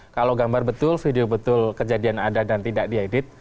kalau gambar betul video betul kejadian ada dan tidak diedit